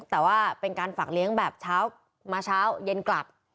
แต่ว่าเป็นการฝากเลี้ยงแบบเช้ามาเช้าเย็นกลับ